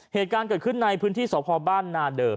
เหตุการณ์เกิดขึ้นในพื้นที่สพบ้านนาเดิม